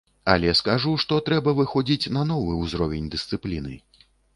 Але скажу, што трэба выходзіць на новы ўзровень дысцыпліны.